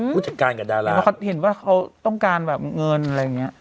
สิงห่างคับเห็นขจิกว่าเขาต้องการเงินอะไรเนี่ย